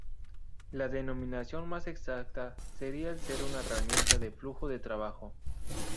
La denominación más exacta sería el ser una herramienta de flujo de trabajo.